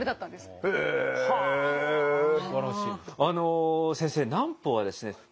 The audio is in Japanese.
あの先生南畝はですね